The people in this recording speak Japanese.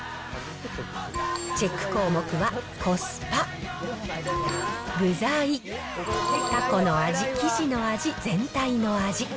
チェック項目はコスパ、具材、たこの味、生地の味、全体の味。